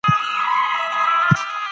حق ووایئ.